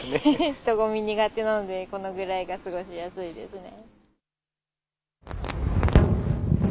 人混み苦手なんで、このぐらいが過ごしやすいですね。